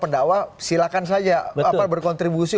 pendakwa silakan saja berkontribusi